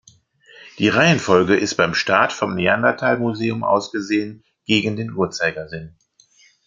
Die Reihenfolge ist beim Start vom Neanderthal Museum aus gesehen gegen den Uhrzeigersinn.